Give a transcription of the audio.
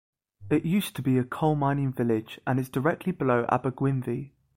It used to be a coal mining village, and is directly below Abergwynfi.